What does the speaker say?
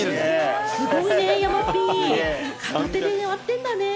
すごいね、山Ｐ、片手で割ってんだねぇ。